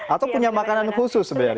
atau punya makanan khusus sebenarnya